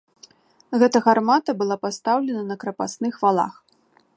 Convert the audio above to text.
Гэта гармата была пастаўлена на крапасных валах.